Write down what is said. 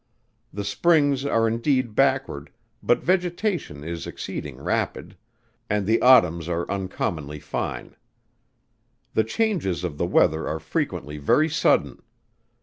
The springs are indeed backward; but vegetation is exceeding rapid, and the autumns are uncommonly fine. The changes of the weather are frequently very sudden.